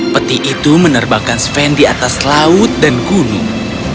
peti itu menerbakan sven di atas laut dan gunung